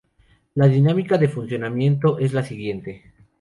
La dinámica de funcionamiento es la siguiente.